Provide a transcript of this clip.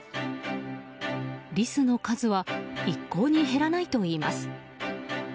リスの数は一向に減らないといいます。